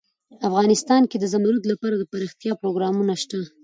افغانستان کې د زمرد لپاره دپرمختیا پروګرامونه شته.